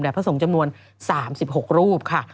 พระสงฆ์จำนวน๓๖รูปค่ะ